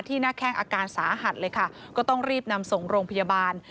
หน้าแข้งอาการสาหัสเลยค่ะก็ต้องรีบนำส่งโรงพยาบาล